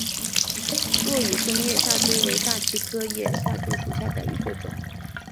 落羽松叶下珠为大戟科叶下珠属下的一个种。